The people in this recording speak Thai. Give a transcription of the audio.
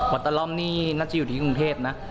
อตตะล่อมนี่น่าจะอยู่ที่กรุงเทพนะ